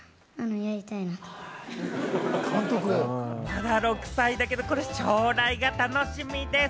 まだ６歳だけれども、これ将来が楽しみです。